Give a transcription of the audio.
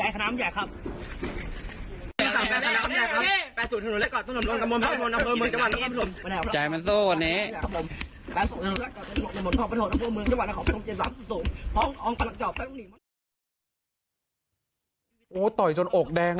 ข้ารบดหาครั้งหนึ่ง